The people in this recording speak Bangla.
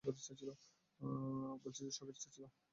বলছি যে, তার শেখার ইচ্ছা ছিল।